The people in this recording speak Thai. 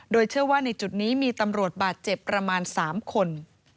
โดยเชื่อว่าในจุดนี้มีตำรวจบาดเจ็บประมาณ๓คน